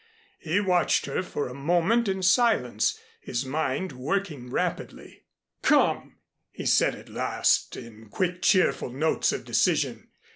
He watched her a moment in silence, his mind working rapidly. "Come," he said at last in quick cheerful notes of decision.